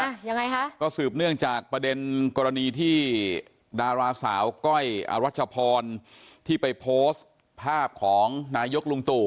ยังไงคะก็สืบเนื่องจากประเด็นกรณีที่ดาราสาวก้อยอรัชพรที่ไปโพสต์ภาพของนายกลุงตู่